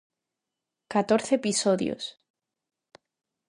Catorce episodios.